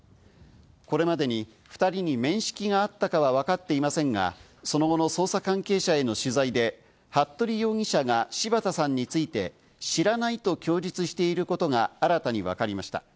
これまでに２人に面識があったかはわかっていませんが、その後の捜査関係者への取材で、服部容疑者が柴田さんについて知らないと供述していることが新たにわかりました。